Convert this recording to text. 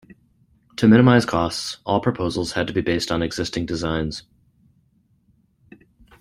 To minimize costs, all proposals had to be based on existing designs.